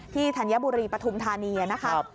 ที่ธัญบุรีปทุมธาเนียนะครับ